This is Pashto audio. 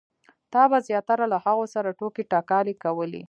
تا به زیاتره له هغو سره ټوکې ټکالې کولې.